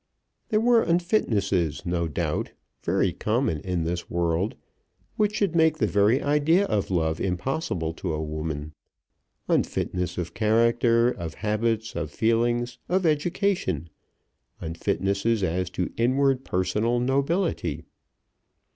There were unfitnesses, no doubt, very common in this world, which should make the very idea of love impossible to a woman, unfitness of character, of habits, of feelings, of education, unfitnesses as to inward personal nobility.